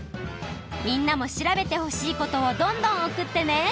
みんなも調べてほしいことをどんどんおくってね。